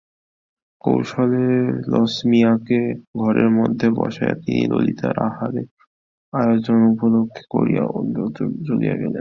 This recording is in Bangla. কৌশলে লছমিয়াকে ঘরের মধ্যে বসাইয়া তিনি ললিতার আহারের আয়োজন উপলক্ষ করিয়া অন্যত্র চলিয়া গেলেন।